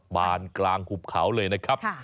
บานกลางหุบเขาเลยนะครับ